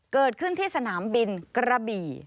เกิดขึ้นที่สนามบินกระบี่